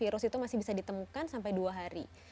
virus itu masih bisa ditemukan sampai dua hari